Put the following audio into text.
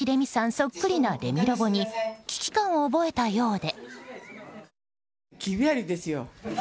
そっくりなレミロボに危機感を覚えたようで。